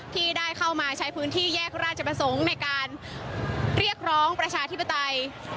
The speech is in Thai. ที่ได้เข้ามาใช้พื้นที่แยกราชประสงค์ในการเรียกร้องประชาธิปไตย